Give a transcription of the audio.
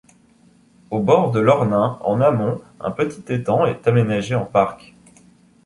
Au bord de l'Ornain en amont, un petit étang est aménagé en parc.